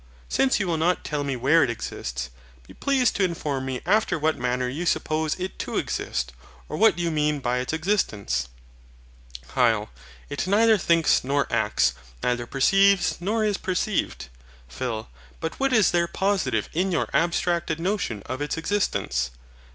Since you will not tell me where it exists, be pleased to inform me after what manner you suppose it to exist, or what you mean by its EXISTENCE? HYL. It neither thinks nor acts, neither perceives nor is perceived. PHIL. But what is there positive in your abstracted notion of its existence?